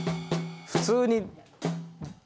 普通に。